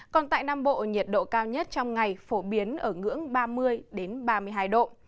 còn tại nam bộ nhiệt độ cao nhất trong ngày phổ biến ở ngưỡng ba mươi ba mươi hai độ